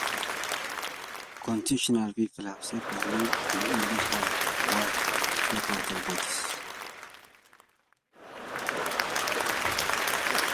Continental people have sex lives: the English have hot water bottles.